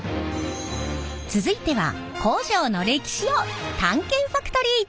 続いては工場の歴史を探検ファクトリー！